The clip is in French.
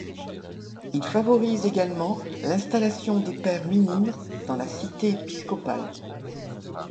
Il favorise également l'installation des Pères Minimes dans la cité épiscopale.